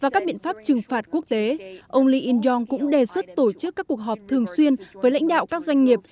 các biện pháp trừng phạt quốc tế ông lee in jong cũng đề xuất tổ chức các cuộc họp thường xuyên với lãnh đạo các doanh nghiệp